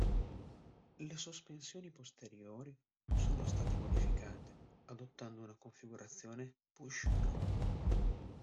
Le sospensioni posteriori sono state modificate adottando una configurazione push-rod.